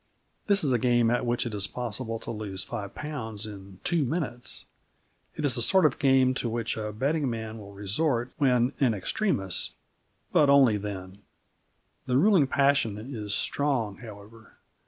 This is a game at which it is possible to lose five pounds in two minutes. It is the sort of game to which a betting man will resort when in extremis, but only then. The ruling passion is strong, however.